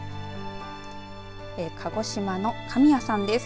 鹿児島の神谷さんです。